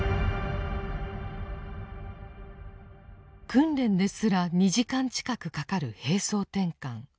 訓練ですら２時間近くかかる兵装転換。